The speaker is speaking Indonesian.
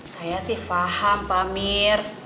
saya sih faham pak amir